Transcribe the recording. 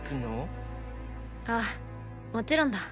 ああもちろんだ。